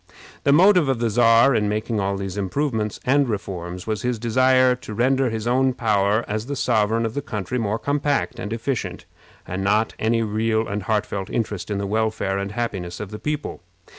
The motive of the Czar in making all these improvements and reforms was his desire to render his own power as the sovereign of the country more compact and efficient, and not any real and heartfelt interest in the welfare and happiness of the people.